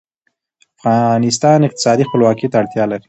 افغانستان اقتصادي خپلواکۍ ته اړتیا لري